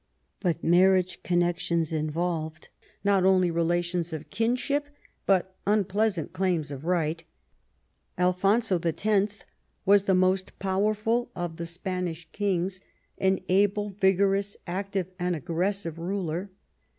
But marriage connections 10 EDWARD I CHAP. involved not only relations of kinship but unpleasant claims of right. Alfonso X. was the most powerful of the Spanish kings, an able, vigorous, active, and aggressive ruler.